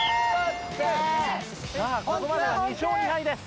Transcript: さあここまで２勝２敗です。